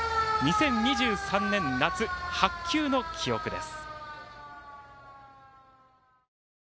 ２０２３年夏「白球の記憶」です。